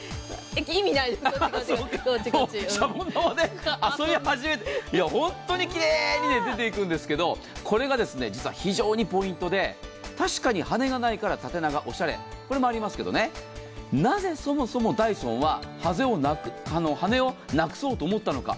シャボン玉で遊び始めて本当にきれいに出ていくんですけど、これが実は非常にポイントで、確かに羽根がないから縦長、おしゃれ、これもありますけど、なぜ、そもそもダイソンは羽根をなくそうと思ったのか。